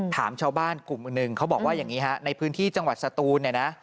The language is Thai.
ถามชาวบ้านกลุ่มหนึ่งเขาบอกว่าอย่างนี้ฮะในพื้นที่จังหวัดสตูนเนี่ยนะ